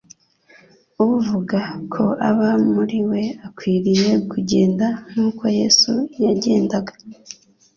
"Uvuga ko aba muri we akwiriye kugenda nk'uko Yesu yagendaga.